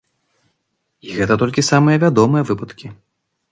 І гэта толькі самыя вядомыя выпадкі.